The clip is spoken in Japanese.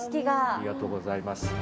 ありがとうございます。